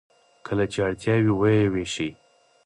کله چې اړتیا وي و یې ویشي.